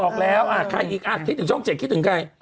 ใครอีกอ่ะคิดถึงช่องเจ็ดว่าคิดถึงใคร